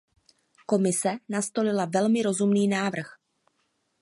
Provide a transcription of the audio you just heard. Komise nastolila velmi rozumný návrh.